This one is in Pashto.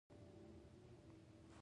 د واده په ورځ ډزې کول د خوشحالۍ نښه ده.